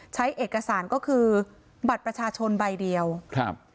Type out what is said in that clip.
ใช้เอกสารก็คือบัตรประชาชนใบเดียวครับ